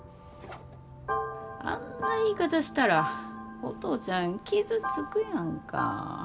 あんな言い方したらお父ちゃん傷つくやんか。